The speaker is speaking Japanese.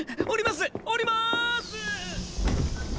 降ります！